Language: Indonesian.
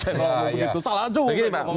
saya bilang begitu salah juga